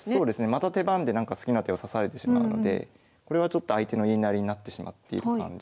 また手番でなんか次の手を指されてしまうのでこれはちょっと相手の言いなりになってしまっている感じ。